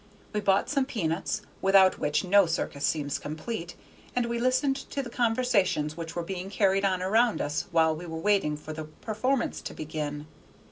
We bought some peanuts, without which no circus seems complete, and we listened to the conversations which were being carried on around us while we were waiting for the performance to begin.